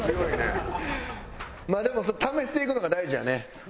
まあでも試していくのが大事やね。